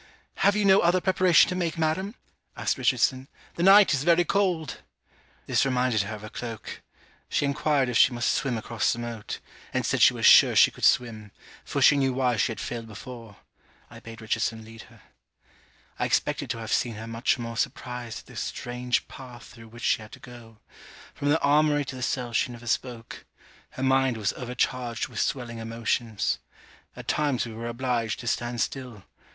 'Have you no other preparation to make, madam?' asked Richardson; 'the night is very cold.' This reminded her of a cloak. She enquired if she must swim across the moat; and said she was sure she could swim; for she knew why she had failed before. I bade Richardson lead her. I expected to have seen her much more surprised at the strange path through which she had to go. From the armoury to the cell she never spoke. Her mind was overcharged with swelling emotions. At times we were obliged to stand still.